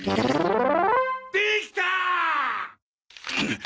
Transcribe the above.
できたー！